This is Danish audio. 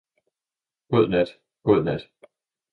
God nat, god nat!